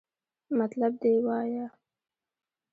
مطلب دې وایا!